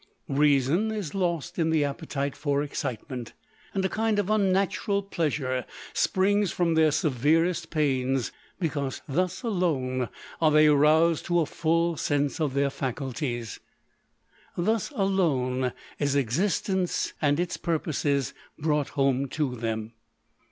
Reason is lost in the appetite for ex citement, and a kind of unnatural pleasure springs from their severest pains, because thus alone are they roused to a full sense of their faculties; thus alone is existence and its pur poses brought home to them.